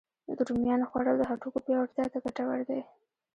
د رومیانو خوړل د هډوکو پیاوړتیا ته ګتور دی